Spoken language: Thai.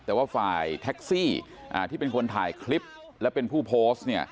แต่ว่าฝ่ายแท็กซี่ที่เป็นคนถ่ายคลิปและเป็นผู้โพสต์เนี่ย